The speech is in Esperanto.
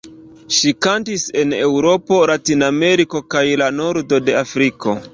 Ŝi kantis en Eŭropo, Latinameriko kaj la nordo de Afriko.